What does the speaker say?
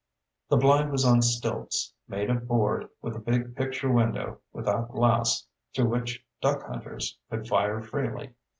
The blind was on stilts, made of board, with a big "picture window" without glass through which duck hunters could fire freely.